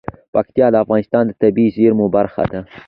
پکتیکا د افغانستان د طبیعي زیرمو برخه ده.